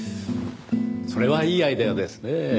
それはいいアイデアですねぇ。